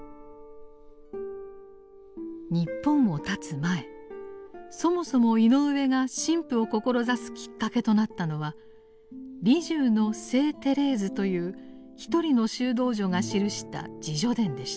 日本をたつ前そもそも井上が神父を志すきっかけとなったのは「リジュ―の聖テレーズ」という一人の修道女が記した自叙伝でした。